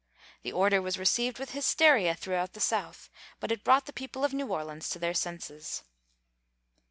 The order was received with hysteria throughout the South, but it brought the people of New Orleans to their senses.